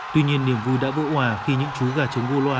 tuy nhiên niềm vui đã vội hòa khi những chú gà chống goloa